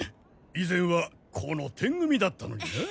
以前はこのテン組だったのになあ。